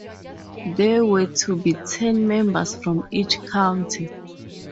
There were to be ten members from each County.